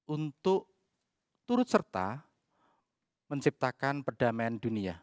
untuk turut serta menciptakan perdamaian dunia